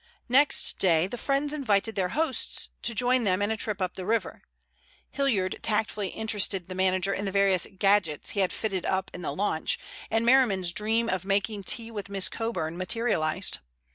Next day the friends invited their hosts to join them in a trip up the river. Hilliard tactfully interested the manager in the various "gadgets" he had fitted up in the launch, and Merriman's dream of making tea with Miss Coburn materialized.